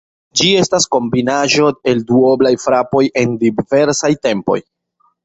Ĝi estas kombinaĵo el duoblaj frapoj en diversaj tempoj.